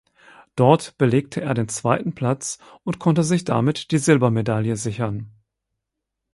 Dort belegte er den zweiten Platz und konnte sich damit die Silbermedaille sichern.